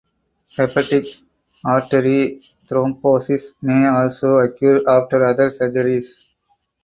Hepatic artery thrombosis may also occur after other surgeries.